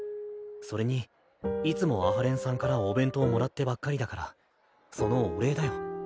それにいつも阿波連さんからお弁当もらってばっかりだからそのお礼だよ。